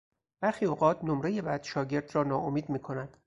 برخی اوقات نمرهی بد شاگرد را ناامید میکند.